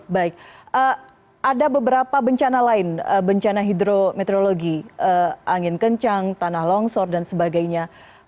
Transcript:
baik ada beberapa bencana lain bencana hidrometeorologi angin kencang tanah longsor dan sebagainya